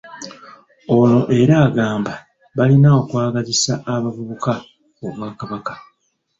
Ono era agamba balina okwagazisa abavubuka Obwakabaka